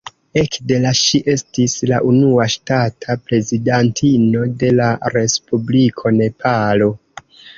Ekde la ŝi estis la unua ŝtata prezidantino de la respubliko Nepalo.